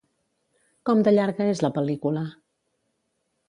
Com de llarga és la pel·lícula?